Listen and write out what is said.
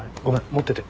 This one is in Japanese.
持ってて。